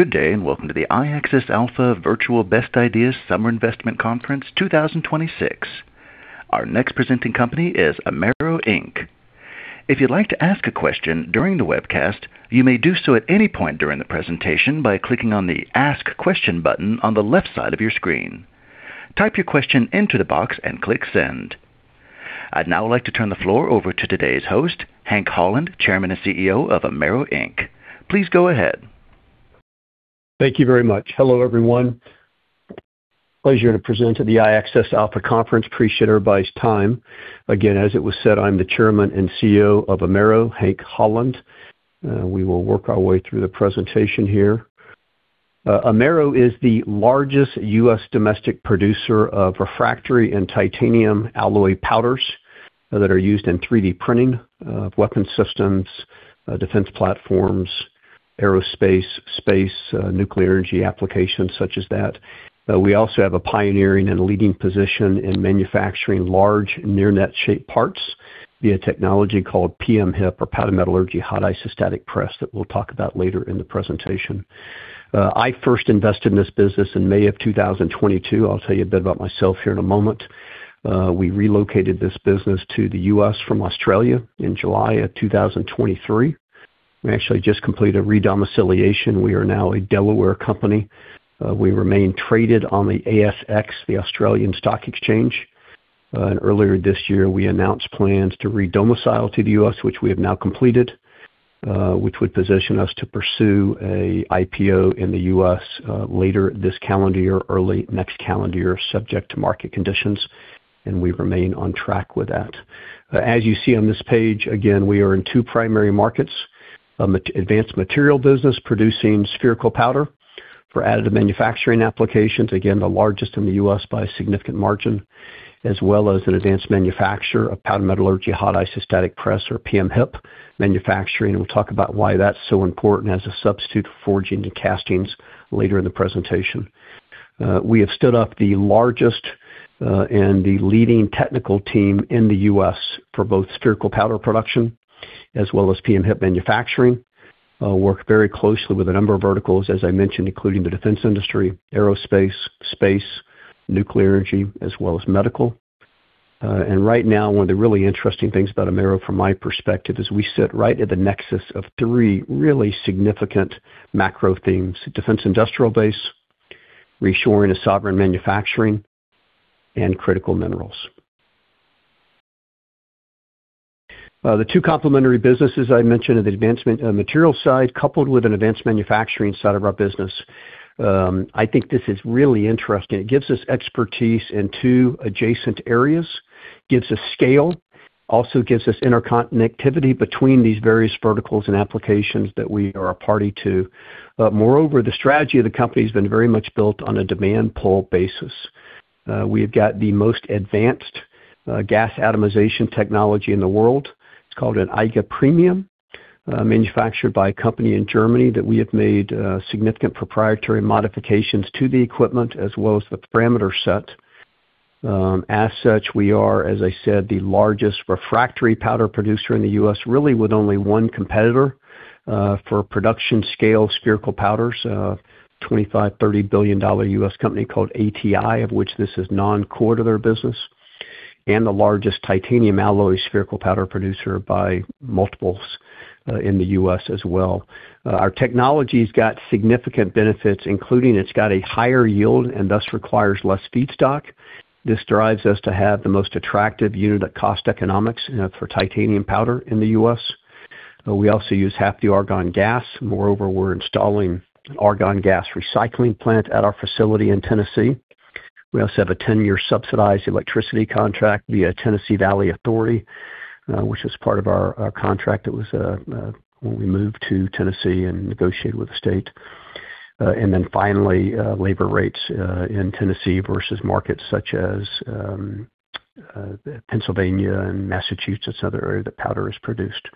Good day. Welcome to the iAccess Alpha Virtual Best Ideas Summer Investment Conference 2026. Our next presenting company is Amaero Inc. If you'd like to ask a question during the webcast, you may do so at any point during the presentation by clicking on the Ask Question button on the left side of your screen. Type your question into the box and click send. I'd now like to turn the floor over to today's host, Hank Holland, Chairman and CEO of Amaero Inc. Please go ahead. Thank you very much. Hello, everyone. Pleasure to present at the iAccess Alpha conference. Appreciate everybody's time. Again, as it was said, I'm the Chairman and CEO of Amaero, Hank Holland. We will work our way through the presentation here. Amaero is the largest U.S. domestic producer of refractory and titanium alloy powders that are used in 3D printing of weapon systems, defense platforms, aerospace, space, nuclear energy applications such as that. We also have a pioneering and leading position in manufacturing large near-net shape parts via technology called PMHIP or powder metallurgy hot isostatic press that we'll talk about later in the presentation. I first invested in this business in May of 2022. I'll tell you a bit about myself here in a moment. We relocated this business to the U.S. from Australia in July of 2023. We actually just completed re-domiciliation. We are now a Delaware company. We remain traded on the ASX, the Australian Stock Exchange. Earlier this year, we announced plans to re-domicile to the U.S., which we have now completed, which would position us to pursue an IPO in the U.S. later this calendar year, early next calendar year, subject to market conditions, and we remain on track with that. As you see on this page, again, we are in two primary markets, advanced material business producing spherical powder for additive manufacturing applications. Again, the largest in the U.S. by a significant margin, as well as an advanced manufacturer of powder metallurgy hot isostatic press, or PMHIP manufacturing, and we'll talk about why that's so important as a substitute for forging and castings later in the presentation. We have stood up the largest and the leading technical team in the U.S. for both spherical powder production as well as PMHIP manufacturing. Work very closely with a number of verticals, as I mentioned, including the defense industry, aerospace, space, nuclear energy, as well as medical. Right now, one of the really interesting things about Amaero from my perspective is we sit right at the nexus of three really significant macro themes, defense industrial base, reshoring of sovereign manufacturing, and critical minerals. The two complementary businesses I mentioned are the advanced material side coupled with an advanced manufacturing side of our business. I think this is really interesting. It gives us expertise in two adjacent areas, gives us scale, also gives us interconnectivity between these various verticals and applications that we are a party to. The strategy of the company has been very much built on a demand pull basis. We have got the most advanced gas atomization technology in the world. It's called an IGA Premium, manufactured by a company in Germany that we have made significant proprietary modifications to the equipment as well as the parameter set. We are, as I said, the largest refractory powder producer in the U.S., really with only one competitor for production-scale spherical powders, a $25 billion-$30 billion U.S. company called ATI, of which this is non-core to their business, and the largest titanium alloy spherical powder producer by multiples in the U.S. as well. Our technology's got significant benefits, including it's got a higher yield and thus requires less feedstock. This drives us to have the most attractive unit of cost economics for titanium powder in the U.S. We also use half the argon gas. We're installing an argon gas recycling plant at our facility in Tennessee. We also have a 10-year subsidized electricity contract via Tennessee Valley Authority, which is part of our contract that was when we moved to Tennessee and negotiated with the state. Labor rates in Tennessee versus markets such as Pennsylvania and Massachusetts, another area that powder is produced.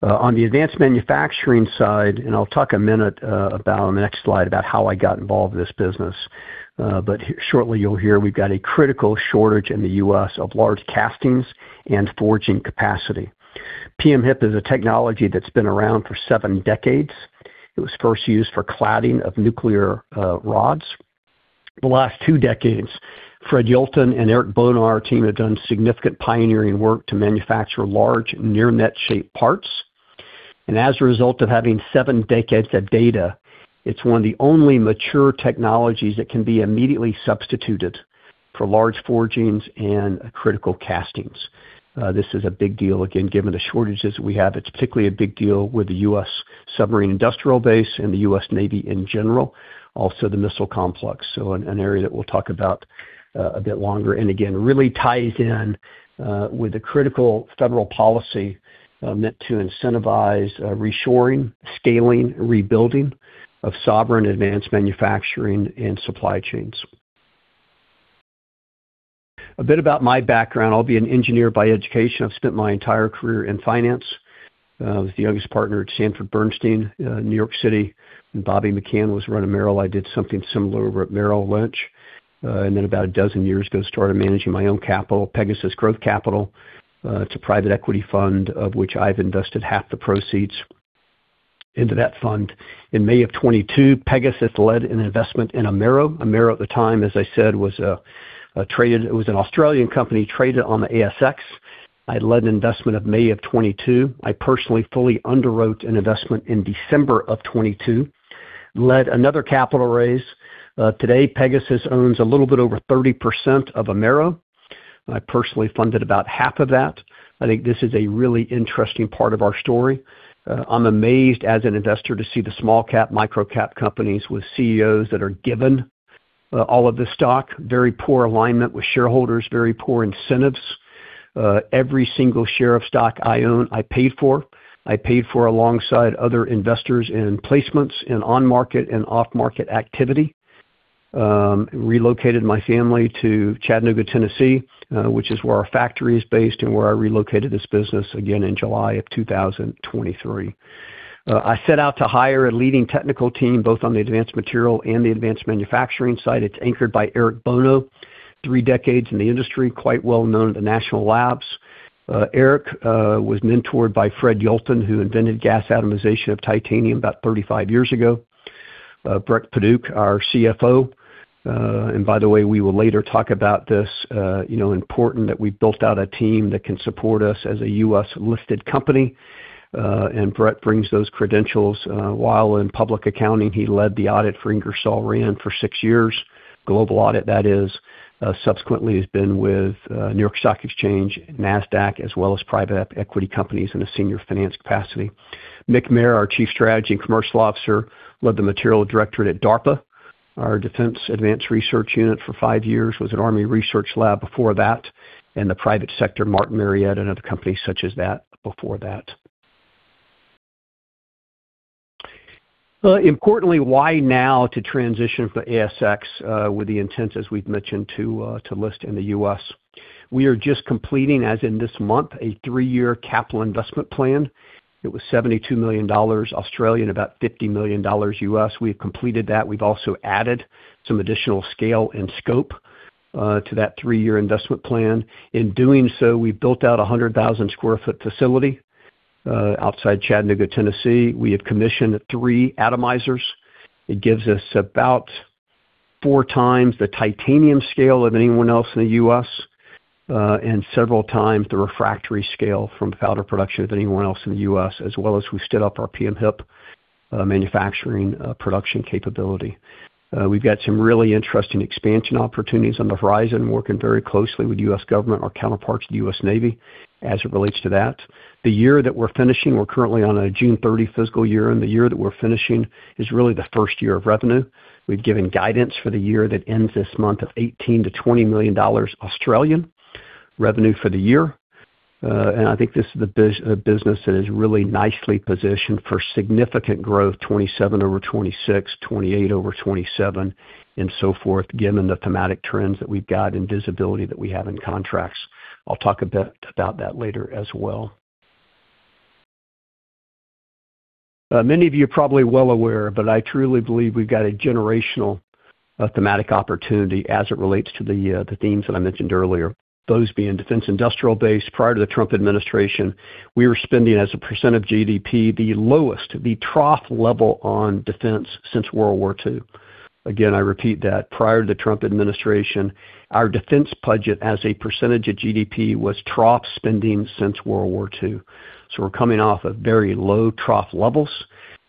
On the advanced manufacturing side, I'll talk a minute about on the next slide about how I got involved in this business. Shortly you'll hear we've got a critical shortage in the U.S. of large castings and forging capacity. PMHIP is a technology that's been around for seven decades. It was first used for cladding of nuclear rods. The last two decades, Fred Yelton and Eric Bono on our team have done significant pioneering work to manufacture large near-net shape parts. As a result of having seven decades of data, it's one of the only mature technologies that can be immediately substituted for large forgings and critical castings. This is a big deal, again, given the shortages we have. It's particularly a big deal with the U.S. submarine industrial base and the U.S. Navy in general, also the missile complex. An area that we'll talk about a bit longer, and again, really ties in with the critical federal policy meant to incentivize reshoring, scaling, rebuilding of sovereign advanced manufacturing and supply chains. A bit about my background. I'll be an engineer by education. I've spent my entire career in finance. The youngest partner at Sanford Bernstein, New York City. When Bobby McCann was running Merrill, I did something similar over at Merrill Lynch. About a dozen years ago, started managing my own capital, Pegasus Growth Capital. It's a private equity fund of which I've invested half the proceeds into that fund. In May of 2022, Pegasus led an investment in Amaero. Amaero at the time, as I said, it was an Australian company traded on the ASX. I led an investment of May of 2022. I personally fully underwrote an investment in December of 2022, led another capital raise. Today, Pegasus owns a little bit over 30% of Amaero. I personally funded about half of that. I think this is a really interesting part of our story. I'm amazed as an investor to see the small-cap, micro-cap companies with CEOs that are given all of the stock, very poor alignment with shareholders, very poor incentives. Every single share of stock I own, I paid for. I paid for alongside other investors in placements in on-market and off-market activity. Relocated my family to Chattanooga, Tennessee, which is where our factory is based and where I relocated this business again in July of 2023. I set out to hire a leading technical team, both on the advanced material and the advanced manufacturing side. It's anchored by Eric Bono, three decades in the industry, quite well known at the national labs. Eric was mentored by Fred Yelton, who invented gas atomization of titanium about 35 years ago. Brett Paduch, our CFO, and by the way, we will later talk about this, important that we've built out a team that can support us as a U.S.-listed company. Brett brings those credentials. While in public accounting, he led the audit for Ingersoll Rand for six years, global audit that is. Subsequently has been with New York Stock Exchange, Nasdaq, as well as private equity companies in a senior finance capacity. Mick Maher, our Chief Strategy and Commercial Officer, led the material directorate at DARPA, our defense advanced research unit for five years, was at U.S. Army Research Lab before that, and the private sector, Martin Marietta, and other companies such as that before that. Importantly, why now to transition from the ASX, with the intent, as we've mentioned, to list in the U.S.? We are just completing, as in this month, a three year capital investment plan. It was 72 million Australian dollars, about $50 million. We have completed that. We've also added some additional scale and scope to that three year investment plan. In doing so, we built out 100,000 sq ft facility outside Chattanooga, Tennessee. We have commissioned three atomizers. It gives us about four times the titanium scale of anyone else in the U.S., and several times the refractory scale from powder production of anyone else in the U.S., as well as we stood up our PM-HIP manufacturing production capability. We've got some really interesting expansion opportunities on the horizon, working very closely with U.S. government, our counterparts, the U.S. Navy, as it relates to that. The year that we're finishing, we're currently on a June 30 fiscal year, and the year that we're finishing is really the first year of revenue. We've given guidance for the year that ends this month of 18 million to 20 million dollars revenue for the year. I think this is a business that is really nicely positioned for significant growth, 2027 over 2026, 2028 over 2027, and so forth, given the thematic trends that we've got and visibility that we have in contracts. I'll talk a bit about that later as well. Many of you are probably well aware, but I truly believe we've got a generational thematic opportunity as it relates to the themes that I mentioned earlier, those being defense industrial base. Prior to the Trump administration, we were spending as a percentage of GDP, the lowest, the trough level on defense since World War II. Again, I repeat that. Prior to the Trump administration, our defense budget as a percentage of GDP was trough spending since World War II. We're coming off of very low trough levels.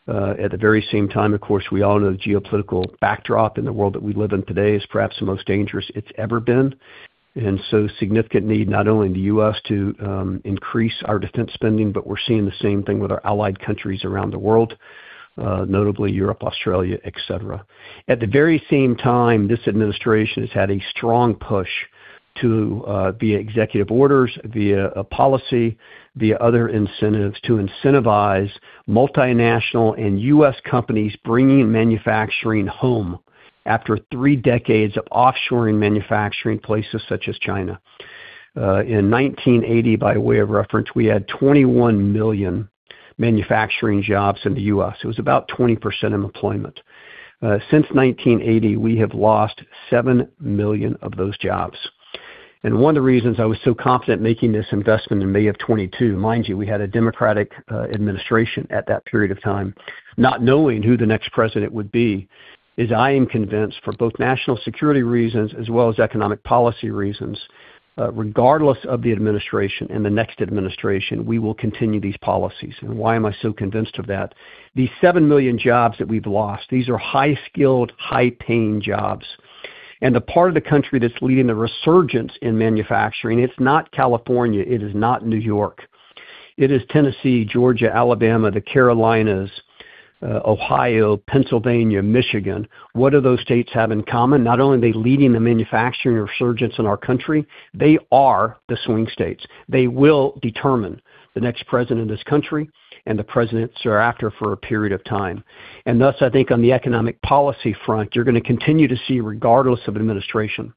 At the very same time, of course, we all know the geopolitical backdrop in the world that we live in today is perhaps the most dangerous it's ever been. Significant need, not only in the U.S. to increase our defense spending, but we're seeing the same thing with our allied countries around the world, notably Europe, Australia, et cetera. At the very same time, this administration has had a strong push to, via executive orders, via policy, via other incentives, to incentivize multinational and U.S. companies bringing manufacturing home after three decades of offshoring manufacturing places such as China. In 1980, by way of reference, we had 21 million manufacturing jobs in the U.S. It was about 20% of employment. Since 1980, we have lost 7 million of those jobs. One of the reasons I was so confident making this investment in May of 2022, mind you, we had a Democratic administration at that period of time, not knowing who the next president would be, is I am convinced for both national security reasons as well as economic policy reasons, regardless of the administration and the next administration, we will continue these policies. Why am I so convinced of that? These 7 million jobs that we've lost, these are high-skilled, high-paying jobs. The part of the country that's leading the resurgence in manufacturing, it's not California, it is not New York. It is Tennessee, Georgia, Alabama, the Carolinas, Ohio, Pennsylvania, Michigan. What do those states have in common? Not only are they leading the manufacturing resurgence in our country, they are the swing states. They will determine the next president of this country and the presidents thereafter for a period of time. Thus, I think on the economic policy front, you're going to continue to see, regardless of administration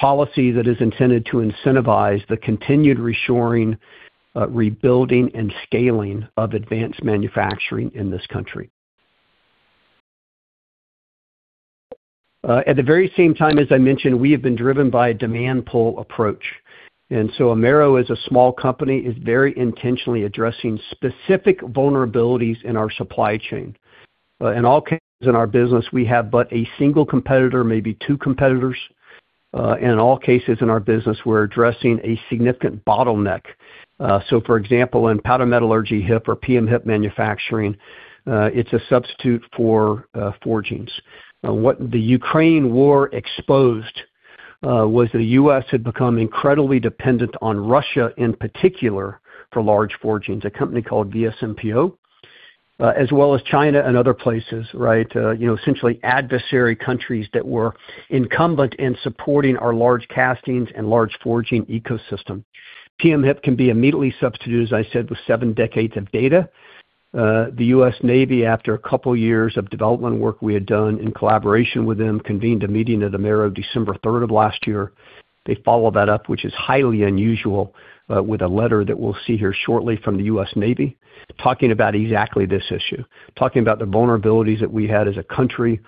policy that is intended to incentivize the continued reshoring, rebuilding, and scaling of advanced manufacturing in this country. At the very same time, as I mentioned, we have been driven by a demand pull approach. Amaero as a small company is very intentionally addressing specific vulnerabilities in our supply chain. In all cases in our business, we have but a single competitor, maybe two competitors. In all cases in our business, we're addressing a significant bottleneck. So for example, in powder metallurgy HIP or PM-HIP manufacturing, it's a substitute for forgings. What the Ukraine war exposed was the U.S. had become incredibly dependent on Russia in particular for large forgings. A company called VSMPO, as well as China and other places, right? Essentially adversary countries that were incumbent in supporting our large castings and large forging ecosystem. PM-HIP can be immediately substituted, as I said, with seven decades of data. The U.S. Navy, after a couple of years of development work we had done in collaboration with them, convened a meeting at Amaero December third of last year. They followed that up, which is highly unusual, with a letter that we'll see here shortly from the U.S. Navy talking about exactly this issue. Talking about the vulnerabilities that we had as a country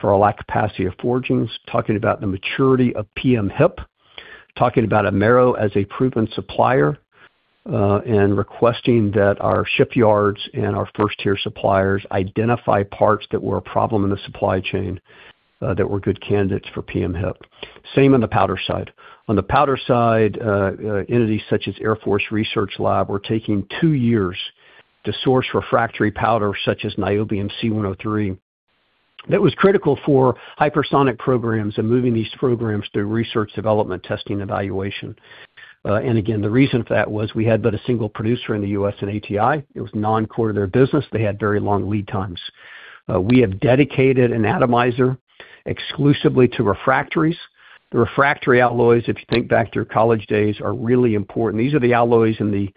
for our lack of capacity of forgings. Talking about the maturity of PM-HIP. Talking about Amaero as a proven supplier, and requesting that our shipyards and our first-tier suppliers identify parts that were a problem in the supply chain that were good candidates for PM-HIP. Same on the powder side. On the powder side, entities such as Air Force Research Laboratory were taking two years to source refractory powder such as Niobium C-103. That was critical for hypersonic programs and moving these programs through research, development, testing, evaluation. Again, the reason for that was we had but a single producer in the U.S., an ATI. It was non-core to their business. They had very long lead times. We have dedicated an atomizer exclusively to refractories. The refractory alloys, if you think back to your college days, are really important. These are the alloys in the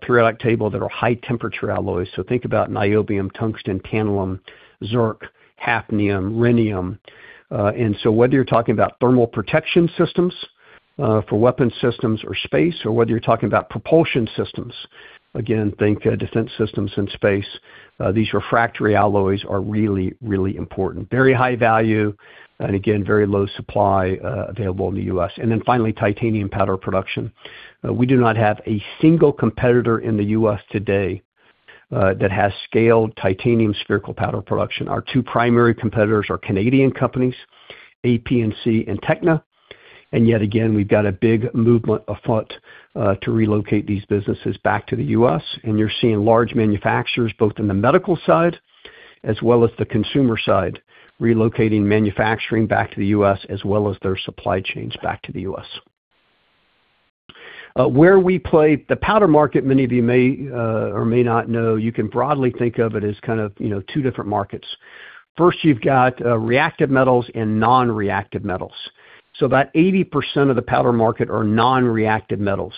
periodic table that are high-temperature alloys. Think about niobium, tungsten, tantalum, zirconium, hafnium, rhenium. Whether you're talking about thermal protection systems for weapon systems or space, or whether you're talking about propulsion systems, again, think defense systems in space, these refractory alloys are really, really important. Very high value, again, very low supply available in the U.S. Finally, titanium powder production. We do not have a single competitor in the U.S. today that has scaled titanium spherical powder production. Our two primary competitors are Canadian companies, AP&C and Tekna. Yet again, we've got a big movement afoot to relocate these businesses back to the U.S., and you're seeing large manufacturers, both in the medical side as well as the consumer side, relocating manufacturing back to the U.S. as well as their supply chains back to the U.S. Where we play— The powder market, many of you may or may not know, you can broadly think of it as kind of two different markets. First, you've got reactive metals and non-reactive metals. About 80% of the powder market are non-reactive metals.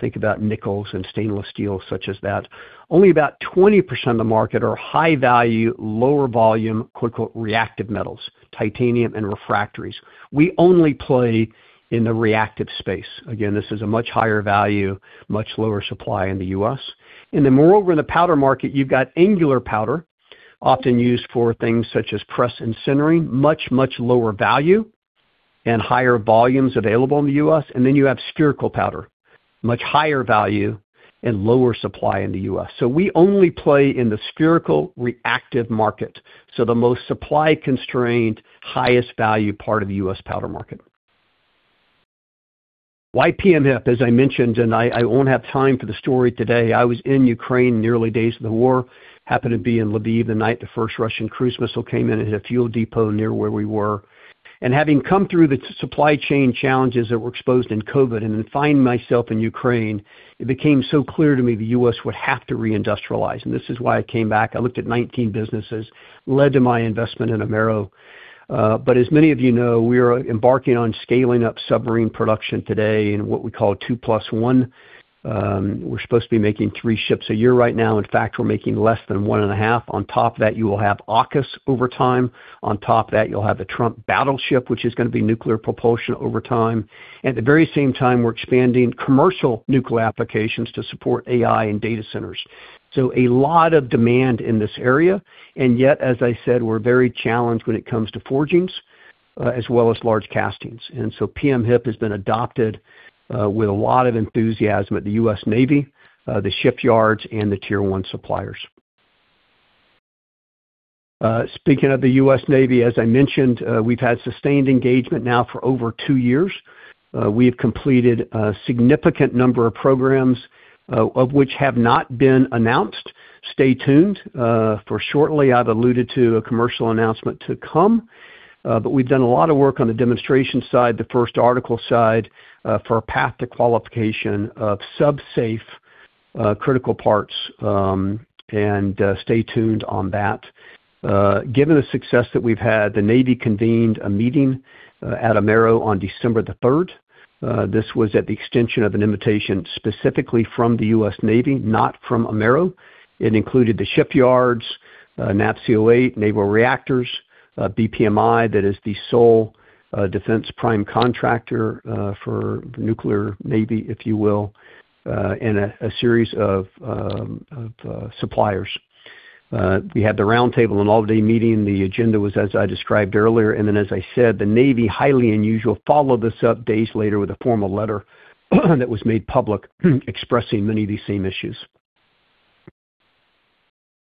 Think about nickels and stainless steels such as that. Only about 20% of the market are high value, lower volume, quote unquote, "reactive metals," titanium and refractories. We only play in the reactive space. Again, this is a much higher value, much lower supply in the U.S. Moreover, in the powder market, you've got angular powder, often used for things such as press and sintering. Much, much lower value and higher volumes available in the U.S. You have spherical powder, much higher value and lower supply in the U.S. We only play in the spherical reactive market. The most supply-constrained, highest value part of the U.S. powder market. Why PM-HIP? As I mentioned, I won't have time for the story today, I was in Ukraine in the early days of the war. Happened to be in Lviv the night the first Russian cruise missile came in and hit a fuel depot near where we were. Having come through the supply chain challenges that were exposed in COVID and then finding myself in Ukraine, it became so clear to me the U.S. would have to re-industrialize, this is why I came back. I looked at 19 businesses, led to my investment in Amaero. As many of you know, we are embarking on scaling up submarine production today in what we call two plus one. We're supposed to be making three ships a year right now. In fact, we're making less than one and a half. On top of that, you will have AUKUS over time. On top of that, you'll have the Trump battleship, which is going to be nuclear propulsion over time. At the very same time, we're expanding commercial nuclear applications to support AI and data centers. A lot of demand in this area, and yet, as I said, we're very challenged when it comes to forgings as well as large castings. PM-HIP has been adopted with a lot of enthusiasm at the U.S. Navy, the shipyards, and the tier one suppliers. Speaking of the U.S. Navy, as I mentioned, we've had sustained engagement now for over two years. We have completed a significant number of programs of which have not been announced. Stay tuned. For shortly, I've alluded to a commercial announcement to come. We've done a lot of work on the demonstration side, the first article side, for a path to qualification of SUBSAFE critical parts, and stay tuned on that. Given the success that we've had, the Navy convened a meeting at Amaero on December the third. This was at the extension of an invitation specifically from the U.S. Navy, not from Amaero. It included the shipyards, NAVSEA 08, Naval Reactors, BPMI, that is the sole defense prime contractor for nuclear Navy, if you will, and a series of suppliers. We had the roundtable, an all-day meeting. The agenda was as I described earlier, as I said, the Navy, highly unusual, followed this up days later with a formal letter that was made public, expressing many of these same issues.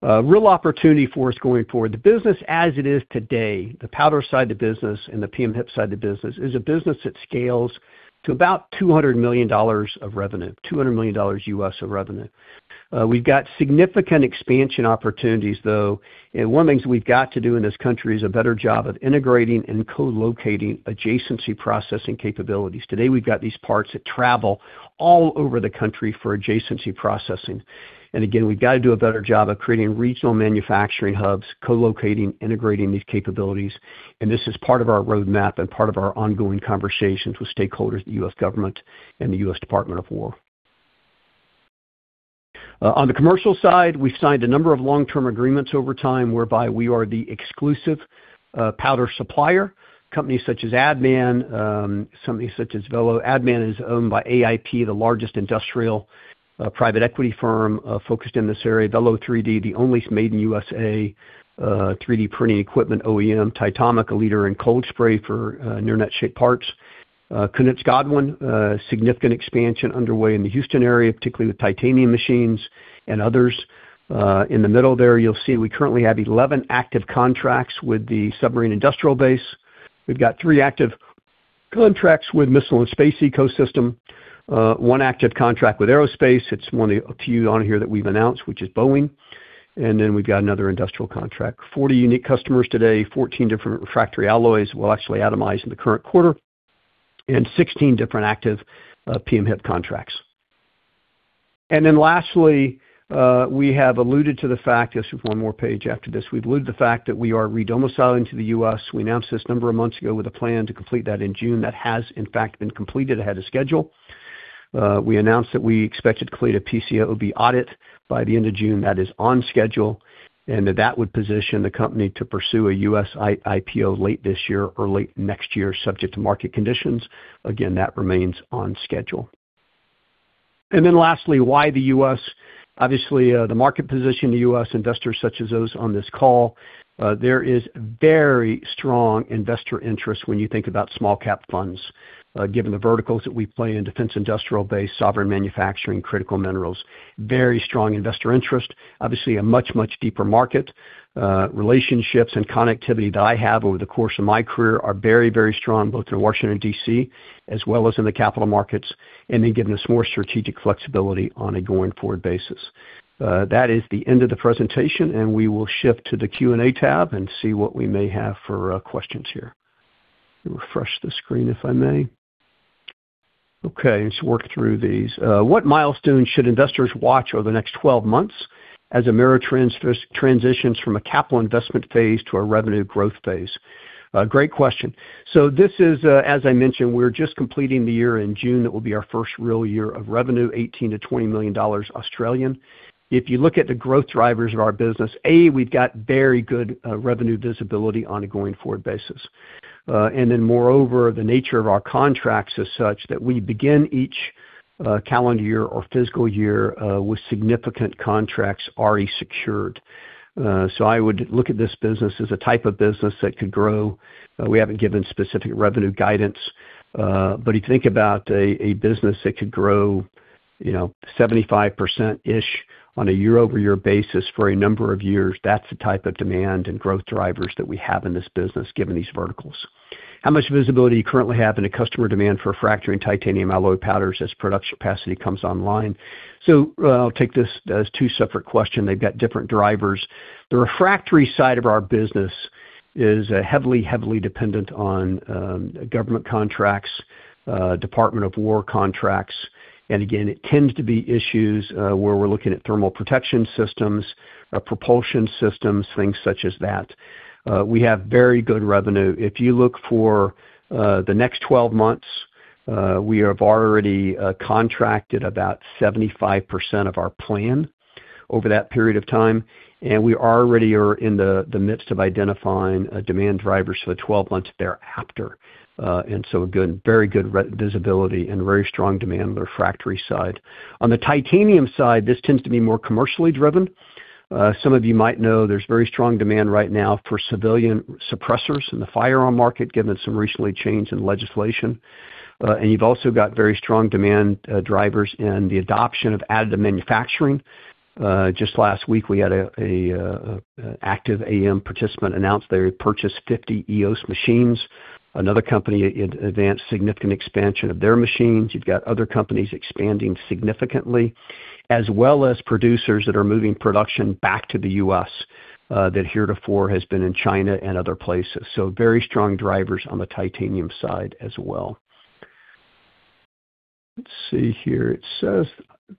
A real opportunity for us going forward. The business as it is today, the powder side of the business and the PM-HIP side of the business, is a business that scales to about $200 million of revenue. $200 million U.S. of revenue. We've got significant expansion opportunities, though, and one of the things we've got to do in this country is a better job of integrating and co-locating adjacency processing capabilities. Today, we've got these parts that travel all over the country for adjacency processing. We've got to do a better job of creating regional manufacturing hubs, co-locating, integrating these capabilities. This is part of our roadmap and part of our ongoing conversations with stakeholders, the U.S. government and the U.S. Department of War. On the commercial side, we've signed a number of long-term agreements over time whereby we are the exclusive powder supplier. Companies such as ADDMAN, companies such as Velo. ADDMAN is owned by AIP, the largest industrial private equity firm focused in this area. Velo3D, the only made in USA 3D printing equipment OEM. Titomic, a leader in cold spray for near-net shape parts. Kounis-Godwin, significant expansion underway in the Houston area, particularly with titanium machines and others. In the middle there, you'll see we currently have 11 active contracts with the submarine industrial base. We've got three active contracts with missile and space ecosystem, one active contract with aerospace. It's one of the few on here that we've announced, which is Boeing. We've got another industrial contract. 40 unique customers today, 14 different refractory alloys we'll actually atomize in the current quarter, and 16 different active PM-HIP contracts. Lastly, we have alluded to the fact, just one more page after this. We've alluded to the fact that we are re-domiciling to the U.S. We announced this a number of months ago with a plan to complete that in June. That has in fact been completed ahead of schedule. We announced that we expected to complete a PCAOB audit by the end of June. That is on schedule, and that that would position the company to pursue a U.S. IPO late this year or late next year, subject to market conditions. Again, that remains on schedule. Lastly, why the U.S.? Obviously, the market position, the U.S. investors such as those on this call. There is very strong investor interest when you think about small cap funds, given the verticals that we play in, defense industrial base, sovereign manufacturing, critical minerals. Very strong investor interest. Obviously a much, much deeper market. Relationships and connectivity that I have over the course of my career are very, very strong, both in Washington, D.C., as well as in the capital markets. Giving us more strategic flexibility on a going forward basis. That is the end of the presentation. We will shift to the Q&A tab and see what we may have for questions here. Let me refresh the screen, if I may. Okay, let's work through these. What milestones should investors watch over the next 12 months as Amaero transitions from a capital investment phase to a revenue growth phase? Great question. So this is, as I mentioned, we're just completing the year in June. That will be our first real year of revenue, 18 million-20 million Australian dollars. If you look at the growth drivers of our business, we've got very good revenue visibility on a going forward basis. Moreover, the nature of our contracts is such that we begin each calendar year or fiscal year with significant contracts already secured. I would look at this business as a type of business that could grow. We haven't given specific revenue guidance. You think about a business that could grow 75% on a year-over-year basis for a number of years, that's the type of demand and growth drivers that we have in this business, given these verticals. How much visibility do you currently have into customer demand for refractory and titanium alloy powders as production capacity comes online? So I'll take this as two separate question. They've got different drivers. The refractory side of our business is heavily dependent on government contracts, US Department of War contracts. Again, it tends to be issues where we're looking at thermal protection systems, propulsion systems, things such as that. We have very good revenue. If you look for the next 12 months, we have already contracted about 75% of our plan over that period of time. We already are in the midst of identifying demand drivers for the 12 months thereafter. Very good visibility and very strong demand on the refractory side. On the titanium side, this tends to be more commercially driven. Some of you might know there's very strong demand right now for civilian suppressors in the firearm market, given some recently changed in legislation. You've also got very strong demand drivers in the adoption of additive manufacturing. Just last week, we had an active AM participant announce they purchased 50 EOS machines. Another company advanced significant expansion of their machines. You've got other companies expanding significantly, as well as producers that are moving production back to the U.S., that heretofore has been in China and other places. Very strong drivers on the titanium side as well. Let's see here. It says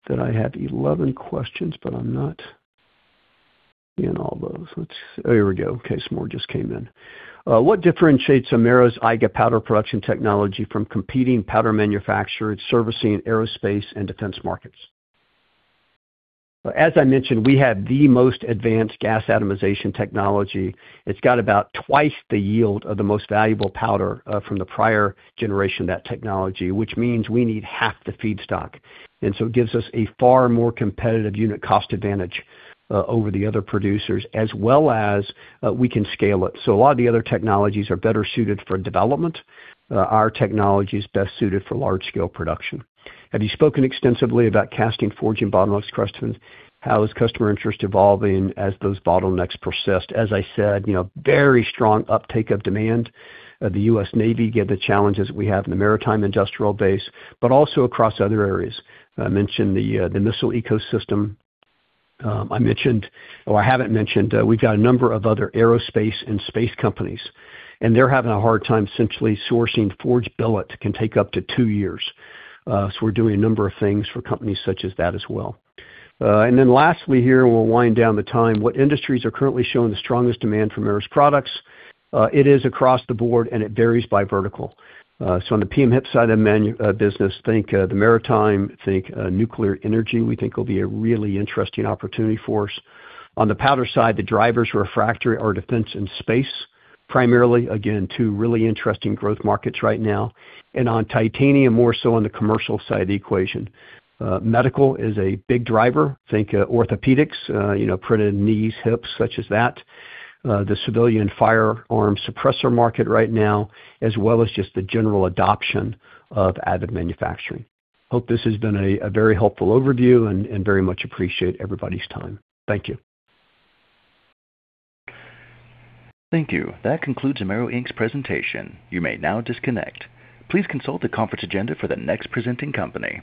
that I have 11 questions. Okay, some more just came in. What differentiates Amaero's IGA powder production technology from competing powder manufacturers servicing aerospace and defense markets? As I mentioned, we have the most advanced gas atomization technology. It's got about twice the yield of the most valuable powder from the prior generation of that technology, which means we need half the feedstock. It gives us a far more competitive unit cost advantage over the other producers, as well as we can scale it. A lot of the other technologies are better suited for development. Our technology is best suited for large-scale production. Have you spoken extensively about casting, forging bottlenecks? How is customer interest evolving as those bottlenecks persist? As I said, very strong uptake of demand. The U.S. Navy, given the challenges we have in the maritime industrial base, but also across other areas. I mentioned the missile ecosystem. We've got a number of other aerospace and space companies, and they're having a hard time centrally sourcing forged billet, can take up to two years. We're doing a number of things for companies such as that as well. Lastly here, we'll wind down the time. What industries are currently showing the strongest demand for Amaero's products? It is across the board, and it varies by vertical. On the PM-HIP side of the business, think the maritime, think nuclear energy, we think will be a really interesting opportunity for us. On the powder side, the drivers refractory are defense and space, primarily, again, two really interesting growth markets right now. On titanium, more so on the commercial side of the equation. Medical is a big driver. Think orthopedics, printed knees, hips, such as that. The civilian firearm suppressor market right now, as well as just the general adoption of additive manufacturing. Hope this has been a very helpful overview and very much appreciate everybody's time. Thank you. Thank you. That concludes Amaero Inc's presentation. You may now disconnect. Please consult the conference agenda for the next presenting company